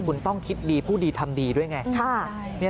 คุณต้องคิดดีผู้ดีทำดีด้วยไง